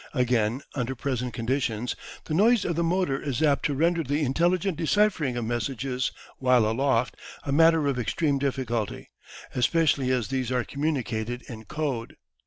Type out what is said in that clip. Again, under present conditions, the noise of the motor is apt to render the intelligent deciphering of messages while aloft a matter of extreme difficulty, especially as these are communicated in code.